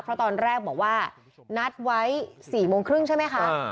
เพราะตอนแรกบอกว่านัดไว้๔โมงครึ่งใช่ไหมคะ